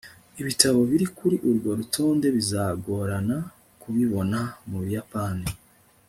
ibitabo biri kuri urwo rutonde bizagorana kubibona mu buyapani